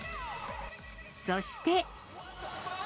そして。